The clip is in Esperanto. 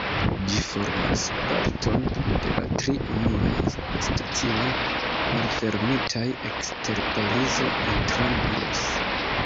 Ĝi formas parton de la tri unuaj stacioj malfermitaj ekster Parizo "intra-muros".